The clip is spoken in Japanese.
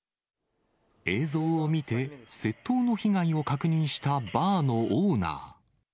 映像を見て、窃盗の被害を確認したバーのオーナー。